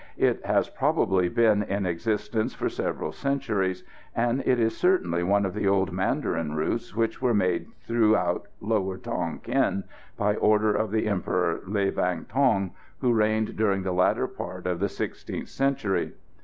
It has probably been in existence for several centuries, and it is certainly one of the old mandarin routes, which were made throughout lower Tonquin by order of the Emperor Le Vrang Tong, who reigned during the latter part of the sixteenth century.